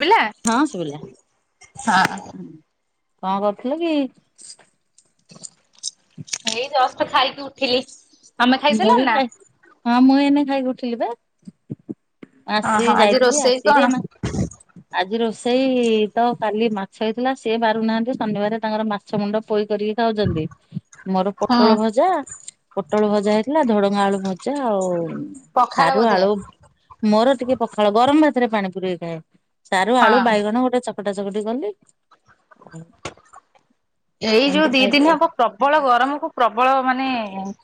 ପିଲା ହଁ ଶୁବିଲା ହଁ। କଣ କରୁଥିଲୁ କି? ଏଇ ଜଷ୍ଟ୍ ଖାଇକି ଉଠିଲି। ତମେ ମୁଁ ଖାଇସାରିଲଣି ବି ନା? ଖାଇ ହଁ ମୁଁ ଏଇନେ ଖାଇ କି ଉଠିଲି ପା। ଓହୋ ଆସିକି ଆଜି ଯାଇଥିଲି ରୋଷେଇ ଆସିକି ଏନା [inaudible] ଆଜି ରୋଷେଇ ତ କାଲି ମାଛ ହେଇଥିଲା ସିଏ ବାରୁନାହାନ୍ତି ଶନିବାର ତାଙ୍କର ମାଛ ମୁଣ୍ଡ ପୋଇ କରିକି ଖାଉଚନ୍ତି ମୋର ହୁଁ ପୋଟଳ ଭଜା ପୋଟଳ ଭଜା ଭଜା ହେଇଥିଲା ଧୋଡଙ୍ଗ ଆଳୁ ଭଜା ଆଉ ପଖାଳ ସାରୁ ବୋଧେ। ଆଳୁ ମୋର ଟିକେ ପଖାଳ ଗରମ ଭାତରେ ପାଣି ପୁରେଇକି ଖାଏ ସାରୁ, ହଁ ଆଳୁ, ବାଇଗଣ ଗୋଟେ ଚକ୍ ଚକଟା ଚକଟି କଲି ଆଉ। ଏଇ ଯୋଉ ଦି ଦିନି ଆଉ ହବ ପ୍ରବଳ ଗରମକୁୁ ପ୍ରବଳ ମାନେ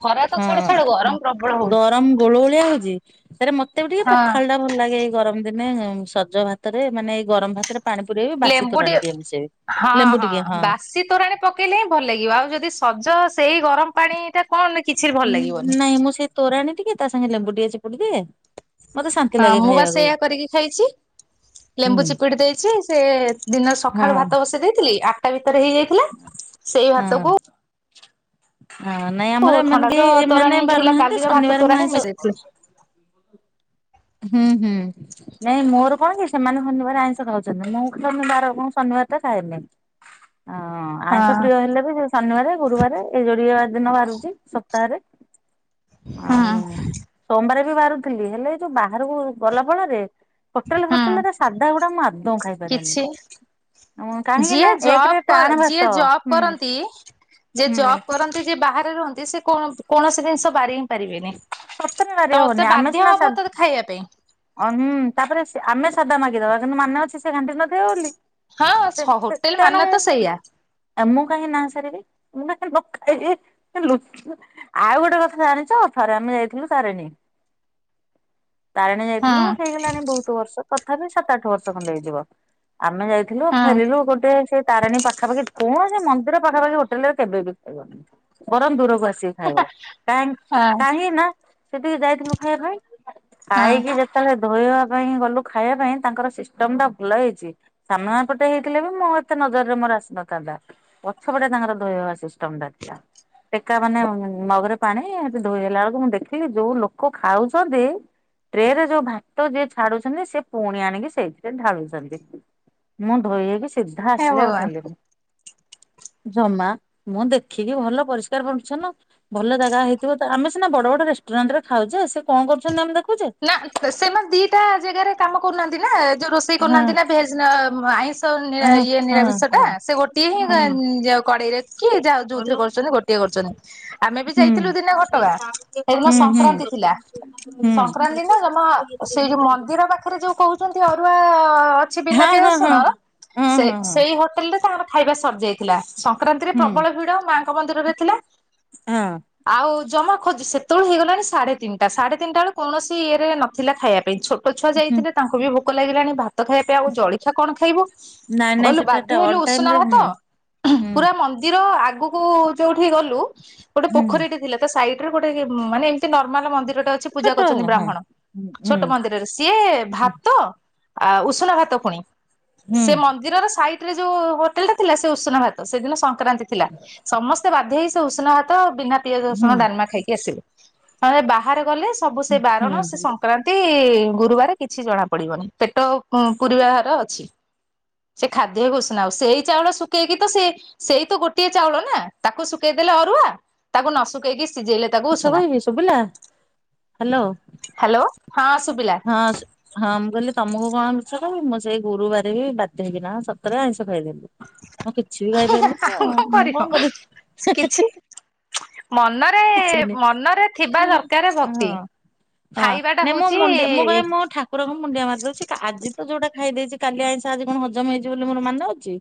ଖରା ତ ହଁ ଛାଡ ଛାଡ ଗରମ ପ୍ରବଳ ହଉଛି ଗରମ୍ ଗୁଳୁଗୁଳିଆ ହଉଚି। ତାରେ ମତେ ବି ଟିକେ ପଖାଳ ଟା ଭଲ ଲାଗେ ଏଇ ଗରମ ଦିନେ ସଜ ଭାତରେ ମାନେ ଏଇ ଗରମ ଭାତରେ ପାଣି ପୁରେଇବି ବାସି ତୁରାଣି ଟିକେ ମିଶେଇ ବି ହଁ ଲେମ୍ବୁ ଟିକେ ହଁ। ବାସି ତୋରାଣୀ ପକେଇଲେ ହିଁ ଭଲ ଲାଗିବ ଆଉ ଯଦି ସଜ ସେଇ ଗରମ ପାଣି ଟା କଣ କିଛି ବି ଭଲ ଲାଗିବନି। ନାଇଁ ମୁଁ ସେଇ ତୋରାଣୀ ଟିକେ ତା ସାଙ୍ଗେ ଲେମ୍ବୁ ଟିକେ ଚିପୁଡି ଦିଏ। ମତେ ଶାନ୍ତି ହଁ ଲାଗେ ମୁଁ ବା ଖାଇବାକୁ ସେଇଆ କରିକି ଖାଇଚି। ଲେମ୍ବୁ ହୁଁ। ଚିପିଡ଼ି ଦେଇଚି ସେ ଦିନରେ ସଖାଳୁ ଭାତ ହଁ। ବସେଇ ଦେଇଥିଲି ଆ ତା ଭିତରେ ହେଇଯାଇଥିଲା ସେଇ ହଁ ଭାତକୁ ହଁ ନାଇଁ ଓ ଆମର ଏମାନେ ଥଣ୍ଡାର କେହି ତୋରାଣୀ ଏମାନେ ଯୋଉ ଥିଲା ବାରୁନାହାନ୍ତି କାଲିର ଭାତ ଶନିବାର ମୁଁ ତୋରାଣୀ ଆଇଁଷ ମିଶେଇଥିଲି ହୁଁ ହୁଁ। ନାଇଁ ମୋର କଣ କି ସେମାନେ ଶନିବାର ଆଇଁଷ ଖାଉଛନ୍ତି। ମୁଁ ଶନିବାର କଣ ଶନିବାର ଟା ଖାଏନି। ହଁ। ଆଇଁଷ ପ୍ରିୟ ହଁ ହେଲେ ବି ଶନିବାର ଗୁରୁବାର ଏ ଯୋଡିଏ ଦିନ ବାରୁଚି ସପ୍ତାହରେ। ହୁଁ ଆଉ ସୋମବାର ବି ବାରୁଥିଲି ହେଲେ ଏ ଯୋଉ ବାହାରକୁ ଗଲା ଫଳରେ ହୋଟେଲ ହୁଁ ଫୋଟେଲରେ ସାଧା ଗୁଡା ମୁଁ ଆଦୌ ଖାଇପାରେନି। କିଛି କାହିଁକି ଯିଏ ନା ଜବ୍ ଏକରେ କର ଟାଣ ଭାତ ଯିଏ ଜବ୍ ହୁଁ କରନ୍ତି ଯିଏ ହୁଁ ଜବ୍ କରନ୍ତି ଯିଏ ବାହାରେ ରୁହନ୍ତି ସେ କୌଣସି ଜିନିଷ ବାରି ହିଁ ପାରିବେନି। ସତରେ ବାରି ତ ତେ ବାଧ୍ୟ ହବ ତତେ ଖାଇବା ପାଇଁ। ଅ ହୁଁ ତାପରେ ସେ -ଆମେ ସାଧା ମାଗିଦବା କିନ୍ତୁ ମାନେ ଅଛି ସେ ଘାଣ୍ଟି ନଥିବ ବଲି। ହଁ ହୋଟେଲ ମାନେ ତ ସେଇଆ। ମୁଁ କାହିଁକି ନା ସାରିବି ମୁଁ କାହିଁକି ନଖାଇବି ଲୁଚି ଆଉ ଗୋଟେ କଥା ଜାଣିଚ ଥରେ ଆମେ ଯାଇଥିଲୁ ତାରିଣୀ। ତାରିଣୀ ହଁ ଲୁଥ ହେଇଗଲାଣି ବହୁତ ବର୍ଷ ତଥାପି ସାତ ଆଠ ବର୍ଷ ଖଣ୍ଡେ ହେଇଯିବ। ଆମେ ଯାଇଥିଲୁ ହଁ ଫେରିଲୁ ଗୋଟେ ସେଇ ତାରାଣୀ ପାଖାପାଖି କୌଣସି ମନ୍ଦିର ପାଖାପାଖି ହୋଟେଲରେ କେବେ ବି ଖାଇବନି ବରଂ ଦୂରକୁ ଆସି ଖାଇବ କାହିଁ ହଁ କାହିଁ ନା ସେତିକି ଯାଇଥିଲୁ ଖାଇବା ପାଇଁ ହଁ ଖାଇକି ଯେତେବେଳେ ଧୋଇବା ପାଇଁ ଗଲୁ ଖାଇବା ପାଇଁ ତାଙ୍କର ସିଷ୍ଟମ ଟା ଭଲ ହେଇଚି ସାମ୍ନା ପଟେ ହେଇଥିଲେ ବି ମୁଁ ଏତେ ନଜରରେ ମୋର ଆସିନଥାନ୍ତା। ପଛପଟେ ତାଙ୍କର ଧୋଇବା ସିଷ୍ଟମ ଟା ଥିଲା। ଟେକା ମାନେ ମଗରେ ପାଣି ଏଠି ଧୋଇ ହେଲା ବେଳକୁ ମୁଁ ଦେଖିଲି ଯୋଉ ଲୋକ ଖାଉଚନ୍ତି। ଟ୍ରେ ରେ ଯୋଉ ଭାତ ଯିଏ ଛାଡୁଚନ୍ତି ସେ ପୁଣି ଆଣିକି ସେଇଥିରେ ଢାଳୁଚନ୍ତି ମୁଁ ଧୋଇ ହେଇକି ସି ସିଧା ହେ ଆସିଲି ଆଉ ଭଗବାନ। ଖାଇଲିନି। ଜମା ମୁଁ ଦେଖିକି ଭଲ ପରିଷ୍କାର ପରିଛନ୍ନ ଭଲ ଜାଗା ହେଇଥିବ ତ ଆମେ ସିନା ବଡ ବଡ ରେଷ୍ଟୁରାଣ୍ଟ ରେ ଖାଉଚେ ସେ କଣ କରୁଚନ୍ତି ଆମେ ଦେଖୁଚେ। ନା ସେମାନେ ଦିଟା ଜେଗାରେ କାମ କରୁନାହାନ୍ତି ନାଁ ଯୋଉ ରୋଷେଇ ହଁ କରୁନାହାନ୍ତି ନା ଭେଜ୍ ନାଁ ଆଇଁଷ ନିରା ହଁ ଇଏ ହଁ ନିରାମିଷଟା ହଁ ସେ ଗୋଟ୍ ହୁଁ ହୁଁ। ସିଏହିଁ କଡ଼େଇରେ କିଏ ଯାଉ ଯୋଉଥିରେ କରୁଛନ୍ତି ଗୋଟିଏ କରୁଛନ୍ତି ଆମେ ବି ଯାଇଥିଲୁ ଦିନେ ଘଟଗାଁ। ହୁଁ ହେଇଦିନ ହୁଁ ହୁଁ। ସଂକ୍ରାନ୍ତି ଥିଲା। ସଂକ୍ରାନ୍ତି ନାଁ ଜମା ସେଇ ଯୋଉ ମନ୍ଦିର ପାଖେରେ ଯୋଉ କହୁଛନ୍ତି ଅରୁଆ କିଛି ବିନା ହଁ ପିଆ ହଁ ହଁ। ରସୁଣ ହଁ ସେ ହଁ ହଁ ସେଇ ହୋଟେଲ୍ ରେ ତାଙ୍କର ଖାଇବା ସରିଯାଇ ଥିଲା ସଂକ୍ରାନ୍ତିରେ ହୁଁ ପ୍ରବଳ ଭିଡ ମାଙ୍କ ମନ୍ଦିରରେ ଥିଲା। ହଁ। ଆଉ ଜମା ଖୋଜୁ ସେତବଳୁ ହେଇଗଲାଣି ସାଢେ ତିନିଟା ସାଢେ ତିନିଟାଳୁ କୌଣସି ଇଏରେ ନଥିଲା ଖାଇଆ ପାଇଁ ଛୋଟ ଛୁଆ ହୁଁ ଯାଇଥିଲେ ତାଙ୍କୁ ବି ଭୋ ଭୋକ ଲାଗିଲାଣି ଭାତ ଖାଇଆ ପିଆ ଆଉ ଜଳିଖିଆ କଣ ଖାଇବୁ। ନାଇଁ ନାଇଁ ଗଲୁ ସେଟା ବାଧ୍ୟ ଟା ହେଲୁ ଅଡ୍ ଟାଇମ୍ ଉଷୁନା ରେ ଭାତ ହୁଁ ହୁଁ ପୁରା ମନ୍ଦିର ଆଗୁ କୁ ଯୋଉଠି ଗଲୁ ଗୋଟେ ହୁଁ। ପୋଖରୀଟେ ଥିଲା। ତା ସାଇଟ୍ ରେ ଗୋଟେ କିଏ ମାନେ ଏମ୍ତି ନର୍ମାଲ ମନ୍ଦିରଟେ ଅଛି ପୂଜା ଛୋଟ କରୁଚନ୍ତି ହଁ ବ୍ରାହ୍ମଣ ହୁଁ ଛୋଟ ହୁଁ ମନ୍ଦିରରେ ସିଏ ଭାତ ଆ ଉଷୁନା ଭାତ ପୁଣି ସେ ମନ୍ଦିରର ସାଇ ରେ ଯୋଉ ହୋଟେଲ ଟା ଥିଲା ସେ ଉଷୁନା ଭାତ ସେଦିନ ସଂକ୍ରାନ୍ତି ଥିଲା ସମସ୍ତେ ବାଧ୍ୟ ହେଇ ସେ ଉଷୁନା ଭାତ ବିନା ପିଆଜ ହୁଁ ରସୁଣ ଡାଲ୍ମା ଖାଇକି ଆସିଲୁ ବାହାରେ ଗଲେ ସବୁ ସେ ବାରଣ ସେ ହୁଁ ସଂକ୍ରାନ୍ତି ତି ଗୁରୁବାରେ କିଛି ଜଣା ପଡିବନି ପେଟ ପୂୁରିବା ହାର ଅଛି। ସେ ଖାଦ୍ୟ ଉଷୁନା ଆଉ ସେଇ ଚାଉଳ ଶୁଖେଇକି ତ ସେ ସେଇ ତ ଗୋଟିଏ ଚାଉଳ ନା ତାକୁ ଶୁକେଇଦେଲେ ଅରୁଆ ତାକୁ ନ ଶୁକେଇକି ସିଝେଇଲେ ତାକୁ ମିଛ ଉଷୁନା। କହିବି ଶୁଭିଲା ହ୍ୟାଲୋ। ହ୍ୟାଲୋ ହଁ ସୁବିଲା। ହଁ ସୁ ହଁ ମୁଁ କହିଲି ତମକୁ କଣ ମିଛ କହିବି ମୁଁ ସେଇ ଗୁରୁବାରେ ବି ବାଧ୍ୟ ହେଇକିନା ସତରେ ଆଇଁଷ ଖାଇଦେଲି। ମୁଁ କିଛି ବି ଖାଇପାରିଲିନି କଣ ଆଉ ମୁଁ କରିବ କଣ କିଛି କରିବି। ମନରେ କିଛି ବି ନାହିଁ। ମନରେ ଥିବା ଦରକାର ହଁ ଭକ୍ତି। ହଁ ଖାଇବାଟା ନାଇଁ ମୁଁ ହଉଛି ମୁଣ୍ଡିଆ ମୁଁ କଇବି ମୋ ଠା ଠାକୁରଙ୍କୁ ମୁଣ୍ଡିଆ ମାରି ଦଉଛି କା ଆଜି ତ ଯୋଉଟା ଖାଇ ଦେଇଛି କାଲି ଆଇଁସ ଆଜି କଣ ହଜମ ହେଇ ଯିବ ବୋଲି ମୋର ମାନେ ଅଛି?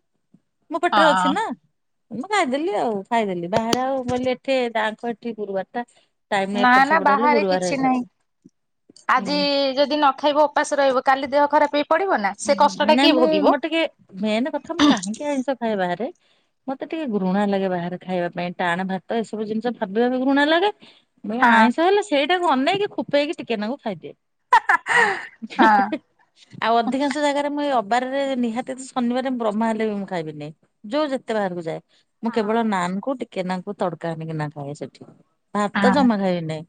ମୋ ପେଟ୍ ରେ ଅଛି ହଁ ନାଁ ମୁଁ ଖାଇଦେଲି ଆଉ ଖାଇଦେଲି ବାହାରେ ଆଉ ବୋଲି ଏଠି ଯାନ୍ ଟି ଗୁରୁବାର୍ ଟା ନା ନା ସେପଟ ହେଲେ ବାହାରେ ଗୁରୁବାର କିଛି ନାହିଁ ହେଇନଥିବ ଆଜି ହୁଁ। ଯଦି ନ ଖାଇବ ଉପାସ ରହିବ କାଲି ଦେହ ଖରାପ ହେଇ ପଡିବ ନାଁ। ହୁଁ ହୁଁ ନାଇଁ ମୁଁ ମୋର ଟିକେ ମେନ୍ କଥା ମୁଁ କାହିଁକି ଆଇଁଷ ଖାଏ ବାହାରେ ମତେ ଟିକେ ଘୃଣା ଲାଗେ ବାହାରେ ଖାଇବା ପାଇଁ ଟାଣ୍ ଭାତ ଏସବୁ ଜିନିଷ ଭାବି ବା ବି ଘୃଣା ଲାଗେ ବି ହଁ ଆଇଁଷ ହେଲେ ସେଇଟାକୁ ଅନେଇକି ଖୁପେଇକି ଟିକେ ନାକୁ ଖାଇଦିଏ। ହଁ ଆଉ ଅଧିକାଂଶ ଜାଗାରେ ମୁଁ ଏ ଅବାରରେ ନିହାତି ଶନିବାରେ ବ୍ରହ୍ମା ହେଲେ ବି ମୁଁ ଖାଇବିନି ଯୋଉ ଯେତେ ବାହାରକୁ ଯାଏ। ମୁଁ କେବଳ ନାନ୍ କୁ ଟିକେ ନାଙ୍କୁ ତଡକା ଆଣିକିନା ଖାଏ ସେଠି। ଭାତ ହଁ ଜମା ଖାଇବି ନାଇ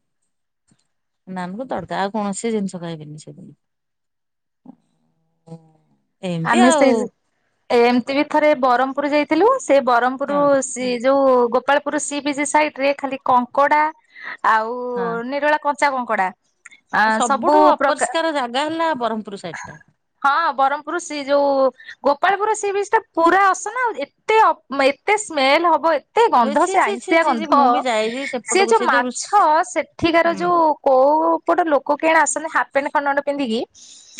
ନାନ୍ କୁ ତଡକା ଆଉ କୌଣସି ଜିନିଷ ଖାଇବିନି ସେଇ [unintelligible] ଆମେ ଆଉ ସେଇ ଏମ୍ତି ବି ଥରେ ବରହ୍ମପୁର୍ ଯାଇଥିଲୁ ସେ ବରହ୍ମପୁର୍ ହଁ ସି ଯୋଉ ଗୋପାଳପୁର୍ ସି ବିଚ୍ ସାଇଡରେ ଖାଲି କଙ୍କଡା ଆଉ ଆ ନିରୋଳା କମ୍ ଚା କଙ୍କଡ଼ା ସବୁଠୁ ଅପରିଷ୍କାର ଜାଗା ହେଲା ବରହ୍ମପୁର୍ ସାଇଟ୍ଟା। ହଁ ବରହ୍ମପୁର୍ ସେ ଯୁ ଗୋପାଳପୁର୍ ସି ବିଚ୍ ଟା ପୁରା ଆସନା ଆଉ ଏତେ ଅପ୍ ଏତେ ସ୍ମେଲ ହବ ଏ ଏତେ ଏବେ ଗନ୍ଧ ଛି ସେ ଛି ଛି ଆଇଁଷିଆ ଛି ଛି ଗନ୍ଧ ମୁଁ ବି ଯାଇଛି ସିଏ ସେପଟକୁ ଯୋଉ ସେ ରୁଷ୍ ମାଛ ସେଠିକାର ଯୋଉ କୋଉ ପଟ ଲୋକ କେଣେ ଆସନ୍ତି ହାପ୍ ପେଣ୍ଟ ଖଣ୍ଡେ ଖଣ୍ଡେ ପିନ୍ଧିକି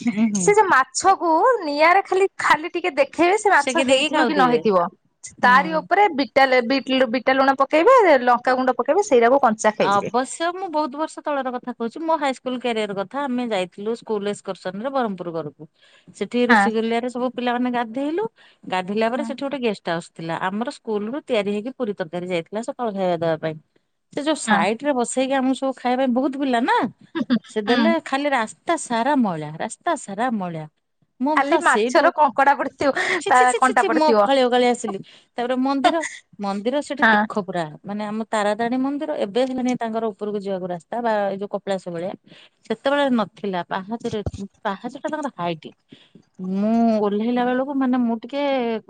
ହୁଁ ହୁଁ। ସିଏ ଯୋଉ ମାଛ କୁ ନିଆଁରେ ଖାଲି ଖାଲି ଟିକେ ଦେଖେଇବେ ସେ ମାଛ ସେକି ଦେଇକି ହେଇଥିବ କି ନ ଖାଉଥିବେ ହେଇଥିବ ତାରି ହୁଁ। ଉପରେ ବି ଟାଲେ ବିଟ଼୍ ଲୁ ବିଟା ଲୁଣ ପକାଇବେ ଲଙ୍କା ଗୁଣ୍ଡ ପକାଇବେ ସେଇରାକୁ ଅ ବସ୍ ତ ମୁଁ ବହୁତ ବର୍ଷ ତଳର କଥା କହୁଛି ମୋ ହାଇସ୍କୁଲ କ୍ୟାରିୟର କଥା। ଆମେ ଯାଇଥିଲୁ ସ୍କୁଲ ଏସକର୍ସନ ରେ ବରହମପୁର ଘରୁକୁ ସେଠି ହଁ ଋଶିକୁଲିଆରେ ସବୁ ପିଲାମାନେ ଗାଧେଇଲୁ ଗାଧେଇଲା ପରେ ହଁ ସେଠି ଗୋଟେ ଗେଷ୍ଟ ଷ୍ଟା ହାଉସ ଥିଲା ଆମର ସ୍କୁଲ ରୁ ତିଆରି ହେଇକି ପୁରୀ ତରକାରୀ ଯାଇଥିଲା ସକାଳୁ ଖାଇବା ଦେବା ପାଇଁ ସେ ଯୋଉ ସାଇଟ ରେ ବସେଇକି ଆମକୁ ସବୁ ଖାଇବା ପାଇଁ ବହୁତ ପିଲା ନା ସେ ହଁ ଦେଲେ ଖାଲି ରା ରାସ୍ତା ସାରା ମଇଳା ରାସ୍ତା ସାରା ମଇଳା ମୁଁ ଖାଲି ତ ସେଇଠୁ ମାଛର କଙ୍କଡା ପଡିଥିବ ଛି ତା ଛି ଛି ଛି କଣ୍ଟା ଛି ମୁଁ ପଡିଥିବ ଓକାଳି ଓକାଳି ଆସିଲି। ତାପରେ ମନ୍ଦିର ମନ୍ଦିର ସେଠି ହଁ। ତୀଖ ପୁରା ମାନେ ଆମ ତାରାତାରେଣୀ ମନ୍ଦିର ଏବେ ହେଲାଣି ତାଙ୍କର ଉପରକୁ ଯିବାକୁ ରାସ୍ତା ବା ଏଇ ଯୋଉ କପିଳାସ ଭଳିଆ ସେତେବେଳେ ନଥିଲା ପାହାଚରେ ପାହାଚ ଟା ତାଙ୍କର ହାଇଟ୍ ମୁଁ ଓହ୍ଲେଇଲା ବେଳକୁ ମାନେ ମୁଁ ଟିକେ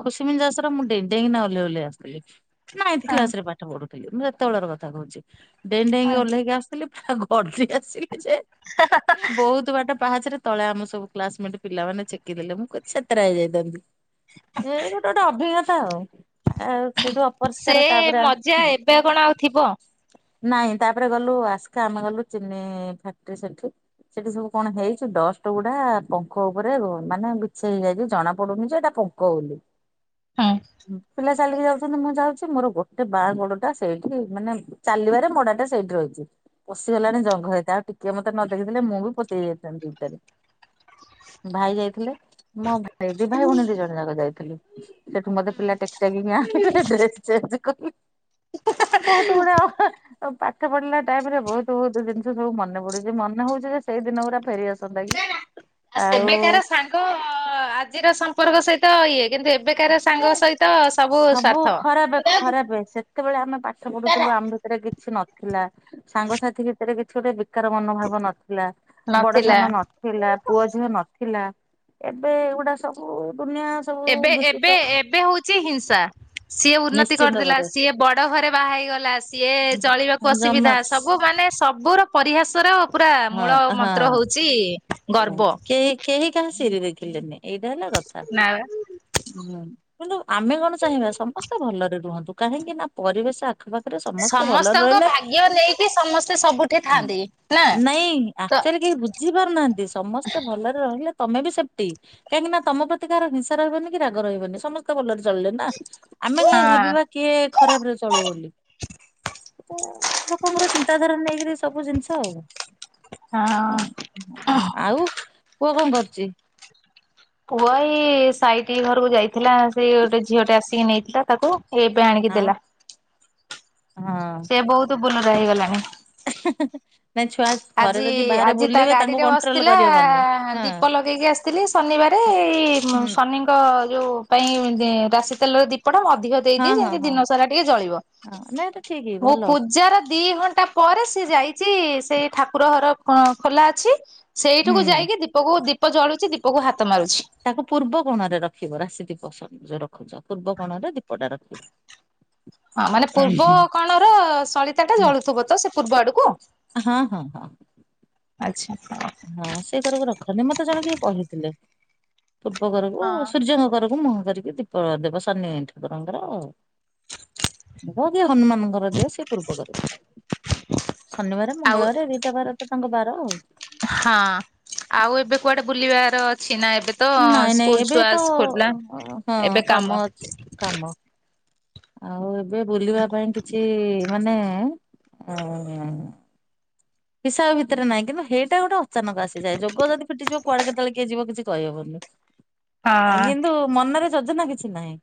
ଖୁସି ମିନ ଜାସର ମୁଁ ଡେଇଁ ଡେଇଁ କିନା ଓହ୍ଲେଇ ଓହ୍ଲେଇ ଆସୁଥିଲି। ନାଇନ୍ଥି ହଁ କ୍ଲାସ ରେ ପାଠ ପଢୁଥିଲି ମୁଁ ସେତେବେଳର କଥା କହୁଛି ଡେଇଁ ଡେଇଁ କି ହଁ ଓହ୍ଲେଇକି ଆସ ବେଲି ପା ଗର୍ଜି ଆସିଲେ ଯେ ବହୁତ୍ ତୁ ବାଟ ପାହାଚ୍ ରେ ତଳେ ଆମ ସବୁ କ୍ଲାସମେଟ୍ ପିଲାମାନେ ଛେକି ଦେଲେ ମୁଁ କ ଛେତେରା ହେଇଯାଇଥାନ୍ତି। ଏଇ ଗୋଟେ ଗୋଟେ ଅଭିଜ୍ଞତା ଆଉ ଆଉ ସେଇଠୁ ଅପରିଷ୍କାର ତାପରେ ଯା ଏବେ କଣ ଆଉ ଥିବ ନାଇଁ ତାପରେ ଗଲୁ ଆସ୍କା ଆମେ ଗଲୁ ଚିନି ଫ୍ୟାକ୍ଟ୍ରି ସେଠି। ସେଠି ସବୁ କଣ ହେଇଛି ଡଷ୍ଟ ଗୁଡା ପଙ୍କ ଉପରେ ମାନେ ବିଛେଇ ହେଇଯାଇଛି ଜଣା ପଡୁନି ଯେ ଏଟା ପଙ୍କ ବୋଲି। [unintelligible] ପିଲା ଚାଲିକି ଯାଉଛନ୍ତି ମୁଁ ଯାଉଛି ମୋର ଗୋଟେ ବାଆଁ ଗୋଡ ଟା ସେଇଠି ମାନେ ଚାଲିବାରେ ମୋଡାଟା ସେଇଠି ରହିଛି। ପଶିଗଲାଣି ଜଙ୍ଘ ହେଇଥା ଆଉ ଟିକେ ମୋତେ ନ ଦେଖିଥିଲେ ମୁଁ ବି ପୋତି ହେଇଯାଇଥାଆନ୍ତି। ଭାଇ ଯାଇଥିଲେ ମୋ ଭାଇ ଦି ଭାଇ ଭଉଣୀ ଦି ଜଣ ଯାକ ଯାଇଥିଲୁ। ସେଠୁ ମୋତେ ପିଲା ଟେକି ଟାକି କି ଆଣିଲେ ଡ୍ରେସ ଚେଞ୍ଜ କଲି, ବହୁତ ଗୁଡେ ଅ ହଁ। ପାଠ ପଢିଲା ଟାଇମରେ ବହୁତ ବହୁତ ଜିନିଷ ସବୁ ମନେ ପଡୁଛି ମନେ ହଉଛି ଯେ ସେଇ ଦିନ ଗୁରା ଫେରିଆସନ୍ତା କି ଆ ସେବେ କାର ଆଉ ସାଙ୍ଗ ଆଜି କା ସମ୍ପର୍କ ସହିତ ଇଏ କିନ୍ତୁ ଏବେ ସବୁ ଖରାପେ ଖରାପେ ସେତେବେଳେ ଆମେ ପାଠ ପଢୁଥିଲୁ ଆମ ଭିତରେ କିଛି ନଥିଲା ସାଙ୍ଗସାଥି ଭିତରେ କିଛି ଗୋଟେ ଧିକାର ମନୋଭାବ ନଥିଲା ବଡ ନଥିଲା ସାନ ନ ଥିଲା ପୁଅ ଝିଅ ନଥିଲା ଏବେ ଏଗୁଡା ସବୁ ଦୁନିଆ ସବୁ ଏବେ ଦୂଷିତ ଏବେ ଏବେ ହଉଛି ହିଂସା ସିଏ ଉନ୍ନତି ନିଶ୍ଚିନ୍ତ କରିଦେଲା ଭାବରେ। ସିଏ ସିଏ ବଡ଼ ଘରେ ବାହା ହେଇଗଲା ସିଏ ଚଳିବାକୁ ଜମା ଅସୁବିଧା ସବୁ ମାନେ ସବୁର ପରିହାସ ର ପୁରା ହଁ ମୂଳ ହଁ ମନ୍ତ୍ର ହଉଛି ଗର୍ବ। କେହି କେହି କାହା ସିରି ଦେଖିଲେନି ଏଇଟା ହେଲା କଥା। ନା କିନ୍ତୁ ଆମେ କଣ ଚାହିଁବା ସମସ୍ତେ ଭଲରେ ରୁହନ୍ତୁ କାହିଁକି ନା ପରିବେଶ ଆଖପାଖ ସମସ୍ତେ ଭଲରେ ସମସ୍ତଙ୍କ ରହିଲେ ଭାଗ୍ୟ ନେଇକି ସମସ୍ତେ ସବୁଠି ଥାଆନ୍ତି ନା ନାଇଁ ତ ଆକଚୁଆଲି କେହି ବୁଝି ପାରୁନାହାନ୍ତି ସମସ୍ତେ ଭଲରେ ରହିଲେ ତମେ ବି ସେପ୍ଟି କାହିଁକି ନା ତମ ପ୍ରତି କାହାର ହିଂସା ରହିବନି କି ରାଗ ରହିବନି ସମସ୍ତେ ତ ଭଲରେ ଚଳିଲେ ନା ଆମେ କାହିଁ ହଁ ଭାବିବା କିଏ ଖରାପରେ ଚଳୁ ବୋଲି ତ ଲୋକଙ୍କର ଚିନ୍ତାଧାରା ନେଇକିରି ସବୁ ଜିନିଷ ଆଉ ହଁ ଆଉ ଆଉ ପୁଅ କଣ କରୁଛି? ପୁଅ ଏଇ ସାଇଟିି ଘରକୁ ଯାଇଥିଲା ସେଇ ଗୋଟେ ଝିଅଟେ ଆସିକି ନେଇଥିଲା ତାକୁ ଏ ଏବେ ଆଣିକି ଆଁ ଦେଲା। ହଁ ସେ ବହୁତ ବୁଲୁରା ହେଇଗଲାଣି ହେଁ ହେଁ ନାଇଁ ଛୁଆ ଥରେ ଆଜି ଯଦି ବାହାରେ ଆଜି ତା ବୁଲିବେ ତାଙ୍କୁ ଗାଡିରେ କଣ୍ଟ୍ରୋଲ ବସିଥିଲା କରିହବନି। ହଁ ଦୀପ ଲଗେଇକି ଆସିଥିଲି ଶନିବାରେ ଏଇ ହୁଁ ଶନିଙ୍କ ଯଉ ପାଇଁ ରାଶି ତେଲର ଦୀପଟା ଅଧିକ ହଁ ଦେଇଦିଏ ହଁ ଯେମିତି ହଁ ଦିନ ସାରା ଟିକେ ଜଳିବ ହଁ ନାଇଁ ଏଟା ଠିକ ମୁଁ ଭଲ ପୂଜାର ଦି ଘଣ୍ଟା ପରେ ସେ ଯାଇଛି ସେଇ ଠାକୁର ଘର ଖୋଲା ଅଛି ସେଇଠିକୁ ହୁଁ। ଯାଇକି ଦୀ ଦୀପକୁ ଦୀପ ଜଳୁଛି ଦୀପକୁ ହାତ ମାରୁଛି। ତାକୁ ପୂର୍ବ କୋଣରେ ରଖିବ ରାଶି ଦୀପ ରଖୁଛ ପୂର୍ବ କୋଣରେ ଦୀପଟା ରଖିବ। ହଁ ମାନେ ପୂର୍ବ କୋଣର ସଳିତା ଟା ହୁଁ ଜଳୁଥିବ ତ ସେ ପୂର୍ବ ଆଡକୁ? ହଁ ହଁ ହଁ। ଆଚ୍ଛା। ହଁ ସେ ଘରକୁ ରଖନି ମୋତେ ଜଣେ କିଏ କହିଥିଲେ। ପୂର୍ବ ଘରକୁ ହଁ। ସୂର୍ଯ୍ୟଙ୍କ ଘରକୁ ମୁହଁ କରିକି ଦୀପ ଦେବ ଶନି ଠାକୁର ଙ୍କର ମୁଁ ବି ହନୁମାନଙ୍କର ଦିଅ ସେ ପୂର୍ବ କରେ ଶନିବାର ଆଉ ମଙ୍ଗଳବାର ଦିଟା ବାର ତ ତାଙ୍କ ବାର ଆଉ। ହଁ ଆଉ ଏବେ କୁଆଡେ ବୁଲିବାର ଅଛି ନା ଏବେ ତ ନାଇଁ ନାଇଁ ସ୍କୁଲ ଏବେ ଛୁଆ ତ ସ୍କୁଲ ଖୋଲା ହଁ ଏବେ କାମ ଅଛି କାମ ଆଉ ଏବେ ବୁଲିବା ପାଇଁ କିଛି ମାନେ ହୁଁ ହୁଁ ହିସାବ ଭିତରେ ନାହିଁ କିନ୍ତୁ ସେଇଟା ଗୋଟେ ଅଚାନକ ଆସିଯାଏ ଯୋଗ ଯଦି ଫିଟିଯିବ କୁଆଡେ କେତେବେଳେ କିଏ ଯିବ କିଛି କହିହବନି। [inaudible] କିନ୍ତୁ ମନରେ ଯୋଜନା କିଛି ନାହିଁ।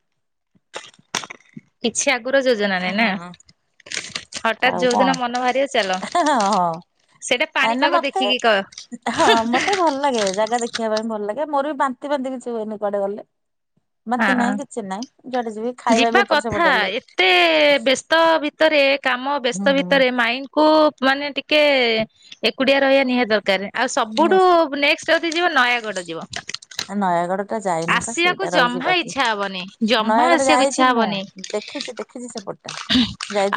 କିଛି ଆଗୁରୁ ଯୋଜନା ନାଇଁ ନା? ହଁ। ହଠାତ୍ ଆଉ ଯୋଉ କଣ ଦିନ ମନ ବାହାରିବ ଚାଲ ହଁ ହଁ ହଁ। ସେଇଟା ମାନେ ପାଣିପାଗ ମତେ ଦେଖିକି କହ ହଁ ମତେ ଭଲ ଲାଗେ ଜାଗା ଦେଖ ଖିବା ପାଇଁ ଭଲ ଲାଗେ ମୋର ବି ବାନ୍ତି ବାନ୍ତି କିଛି ହୁଏନି କଆଡେ ଗଲେ। ମତେ ନାଇଁ ହଁ। କିଛି ନାହିଁ ଯୁଆଡେ ଯିବି ଖାଇବା ଯିବା ବି ଏପଟ କଥା ସେପଟେ ହେଲେ ଏତେ ବ୍ୟସ୍ତ ଭିତରେ କାମ ବ୍ୟସ୍ତ ହୁଁ ଭିତରେ ମାଇଣ୍ଡ କୁ ମାନେ ଟିକେ ଏକୁଡିଆ ରହିବା ନିହାତି ଦର ଆଉ ସବୁଠୁ ନିଶ୍ଚ- ନେକ୍ସଟ ଯିବ ନୟାଗଡ ଯିବ। ନୟାଗଡ଼ ଯାଇନୁ ବା ଆସିବାକୁ ସେଇଟା ଜମା ରହିଯିବା କି ଇଚ୍ଛା ହବନି ଜମା ନୟାଗଡ ଆସିବାକୁ ଇଚ୍ଛା ଯାଇଛି ମୁଁ ହବନି ଦେଖିଛି ଦେଖିଛି ସେପଟେ।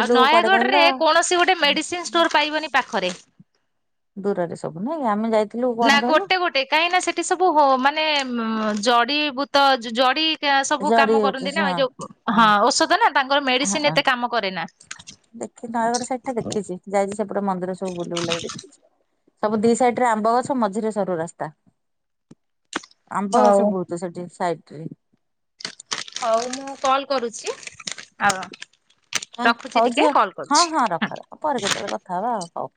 ଆଉ ନୟାଗଡ଼ରେ କୌଣସି ଗୋଟେ ମେଡ଼ିସିନ ଷ୍ଟୋର ପାଇବନି ପାଖରେ। ଦୂରରେ ସବୁ ନାଇଁ ଆମେ ଯାଇ ନା ଗୋଟେ ଗୋଟେ କାହିଁ ନା ସେଠି ସବୁ ହ ମାନେ ଜଡିିବୂତ ଜଡି ସବୁ ଜଡି କାମ ବୁଟି କରନ୍ତି ସେ ନା ଏଇ ଯୋଉ ହଁ ଔଷଧ ନା ତାଙ୍କର ହଁ ମେଡିସିନ ହଁ ଏତେ କାମ କରେ ନା ଦେଖି ନୟାଗଡ ସାଇଡ ଟା ତା ଦେଖିଛି ଯାଇଛି ସେପଟେ ମନ୍ଦିର ସବୁ ବୁଲିବୁଲା ଦେଖିଛି। ସବୁ ଦି ସାଇଡ ରେ ଆମ୍ବ ଗଛ ମଝିରେ ସରୁ ରାସ୍ତା ଆମ୍ବ ହଉ। ଗଛ ବହୁତୁ ସେଠି ସାଇଟିରେ ହଉ ମୁଁ କଲ୍ କରୁଛି ହ। ହଁ ହଉ ଯିବ ହଁ ହଁ ରଖ ରଖ ପରେ କେତେବେଳେ କଥା ହବା ଆଉ ହଉ।